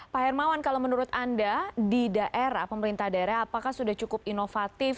pak hermawan kalau menurut anda di daerah pemerintah daerah apakah sudah cukup inovatif